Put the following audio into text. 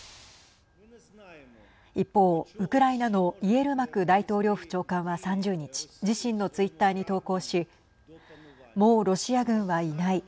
一方、ウクライナのイエルマク大統領府長官は３０日自身のツイッターに投稿しもうロシア軍はいない。